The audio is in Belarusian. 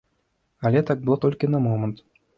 Але так было толькі на момант.